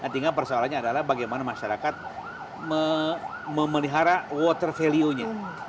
tinggal persoalannya adalah bagaimana masyarakat memelihara water value nya